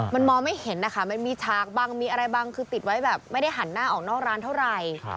มันมองไม่เห็นนะคะมันมีฉากบังมีอะไรบังคือติดไว้แบบไม่ได้หันหน้าออกนอกร้านเท่าไหร่